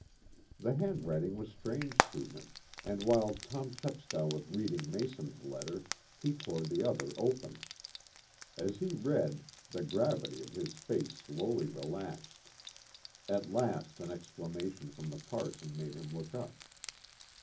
The handwriting was strange to him, and while Tom Chepstow was reading Mason's letter he tore the other open. As he read, the gravity of his face slowly relaxed. At last an exclamation from the parson made him look up.